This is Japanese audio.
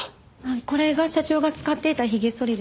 これが社長が使っていた髭剃りです。